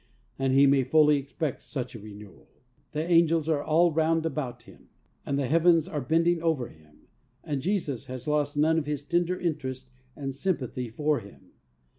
And he may fully expect such a renewal. The angels are all round about him^ and the heavens are bending over him, and Jesus has lost none of His tender interest and sympathy for him.